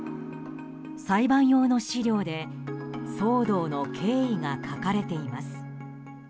裁判用の資料で騒動の経緯が書かれています。